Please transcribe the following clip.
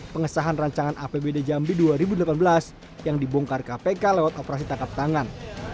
pengesahan rancangan apbd jambi dua ribu delapan belas yang dibongkar kpk lewat operasi tangkap tangan